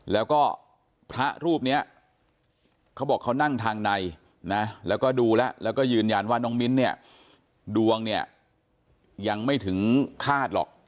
แล้วก็พระรูปนี้เขาบอกเขานั่งทางในนะแล้วก็ดูแล้วแล้วก็ยืนยันว่าน้องมิ้นเนี่ยดวงเนี่ยยังไม่ถึงคาดหรอก